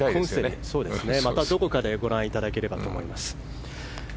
またどこかでご覧いただければと思います。